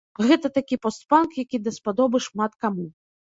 Гэта такі пост-панк, які даспадобы шмат каму.